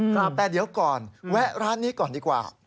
ครับแต่เดี๋ยวก่อนแวะร้านนี้ก่อนดีกว่า